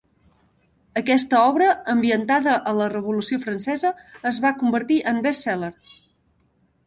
Aquesta obra, ambientada a la Revolució Francesa, es va convertir en best-seller.